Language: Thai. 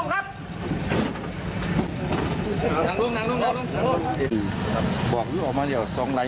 ทำรุ่มฯป่ะพี่น้องว่านี่ออกมาเดี๋ยวสองแปด